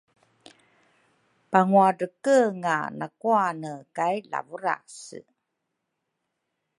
pauguaadrekenga nakuane kay Lavurase.